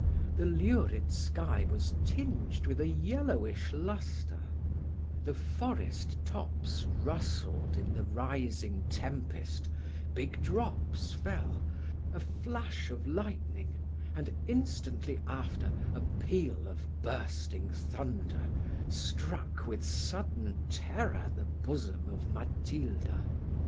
The lurid sky was tinged with a yellowish lustre the forest tops rustled in the rising tempest big drops fell a flash of lightning, and, instantly after, a peal of bursting thunder, struck with sudden terror the bosom of Matilda.